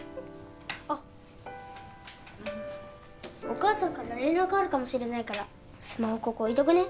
あお母さんから連絡あるかもしれないからスマホここ置いとくね。